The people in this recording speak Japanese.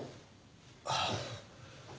ああ。